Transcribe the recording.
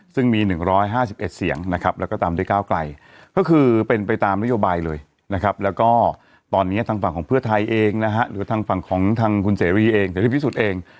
ซึ่งมี๑๕๑เสียงนะครับแล้วก็ตามด้วยก้าวไกลก็คือเป็นไปตามนโยบายเลยนะครับแล้วก็ตอนนี้ทางฝั่งของเพื่อไทยเองนะฮะหรือทางฝั่งของทางคุณเสรีเองเสรีพิสูจน์เอง